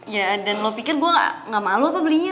ya dan lo pikir gue gak malu apa belinya